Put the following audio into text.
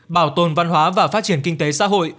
bảo tồn văn hóa và phát triển kinh tế xã hội